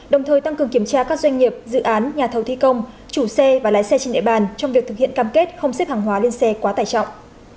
đồng thời tăng cường kiểm tra các doanh nghiệp dự án nhà thầu thi công chủ xe và lái xe trên địa bàn trong việc thực hiện cam kết không xếp hàng hóa lên xe quá tải trọng